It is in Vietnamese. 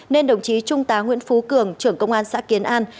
nên đồng chí trung tá nguyễn phú cường trưởng công an xã kiến an